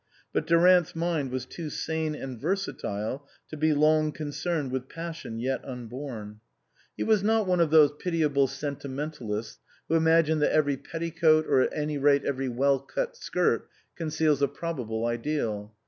But Durant's mind was too sane and versatile to be long concerned with passion yet unborn. He 51 THE COSMOPOLITAN was not one of those pitiable sentimentalists who imagine that every petticoat, or at any rate every well cut skirt, conceals a probable ideal.